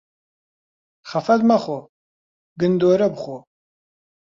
خەفەت مەخۆ، گندۆره بخۆ.